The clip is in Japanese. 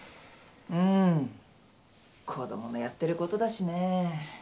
うん子供のやってることだしね。